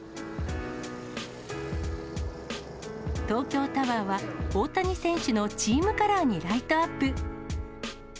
東京タワーは大谷選手のチームカラーにライトアップ。